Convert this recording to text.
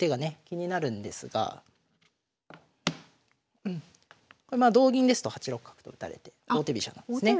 気になるんですがまあ同銀ですと８六角と打たれて王手飛車なんですね。